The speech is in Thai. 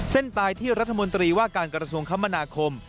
เส้นตายที่รัฐมนตรีว่าการกระทรวงคมนาคม